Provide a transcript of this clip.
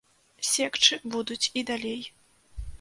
Секчы будуць і далей.